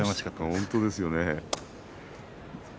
本当ですね。